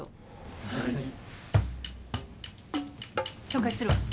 紹介するわ。